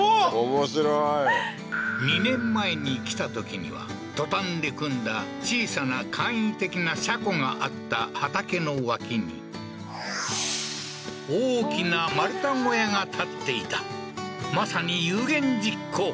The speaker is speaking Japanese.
面白い２年前に来たときにはトタンで組んだ小さな簡易的な車庫があった畑の脇に大きな丸太小屋が建っていたまさに有言実行